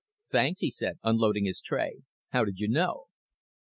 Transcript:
"Thanks," he said, unloading his tray. "How did you know?"